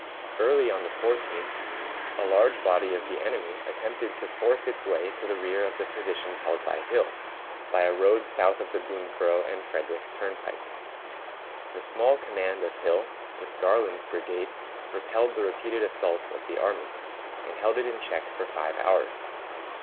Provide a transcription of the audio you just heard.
Early on the 14th a large body of the enemy attempted to force its way to the rear of the position held by Hill, by a road south of the Boonsboro and Frederick turnpike. The small command of Hill, with Garland's brigade, repelled the repeated assaults of the army, and held it in check for five hours.